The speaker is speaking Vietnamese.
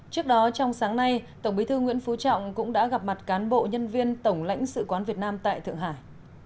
trước đó trong sáng nay tổng bí thư nguyễn phú trọng cũng đã gặp mặt cán bộ nhân viên tổng lãnh sự quán việt nam tại thượng hải